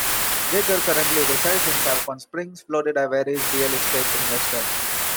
Geiger currently resides in Tarpon Springs, Florida where he is a real estate investor.